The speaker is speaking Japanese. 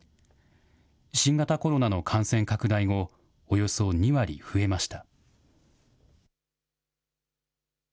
新型コロナの感染拡大後、およそ２割増えました。